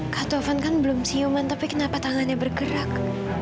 kak tovan kan belum ciuman tapi kenapa tangannya bergerak